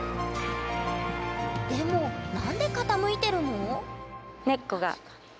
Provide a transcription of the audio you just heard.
でも何で傾いてるの？